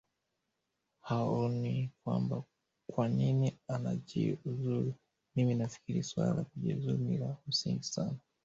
haoni kwamba kwa nini ajiuzulu mimi nafikiri swala la kujiuzulu ni la msingi sana